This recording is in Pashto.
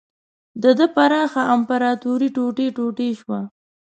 د ده پراخه امپراتوري ټوټې ټوټې شوه.